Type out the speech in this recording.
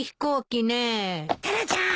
タラちゃん